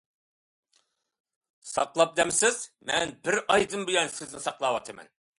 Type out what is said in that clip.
-ساقلاپ دەمسىز، مەن بىر ئايدىن بۇيان سىزنى ساقلاۋاتىمەن.